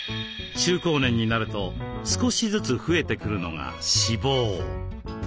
中高年になると少しずつ増えてくるのが脂肪。